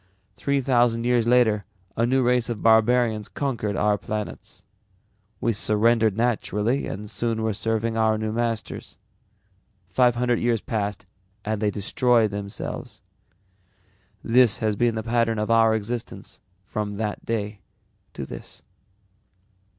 Three thousand years later a new race of barbarians conquered our planets. We surrendered naturally and soon were serving our new masters. Five hundred years passed and they destroyed themselves. This has been the pattern of our existence from that day to this."